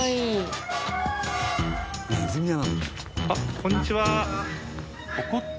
あっこんにちは。